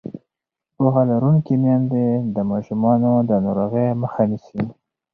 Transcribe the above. پوهه لرونکې میندې د ماشومانو د ناروغۍ مخه نیسي.